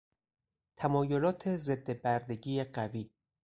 تمایلات ضد بردگی قوی